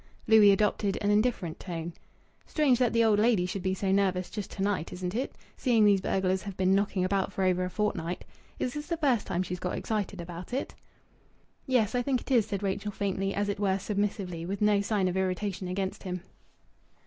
Louis adopted an indifferent tone "Strange that the old lady should be so nervous just to night isn't it? seeing these burglars have been knocking about for over a fortnight. Is this the first time she's got excited about it?" "Yes, I think it is," said Rachel faintly, as it were submissively, with no sign of irritation against him.